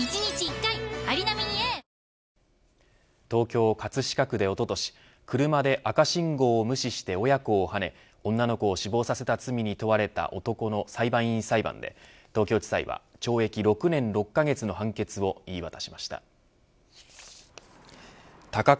東京、葛飾区でおととし車で赤信号を無視して親子をはね女の子を死亡させた罪に問われた男の裁判員裁判で東京地裁は懲役６年６カ月の判決を言い渡しました。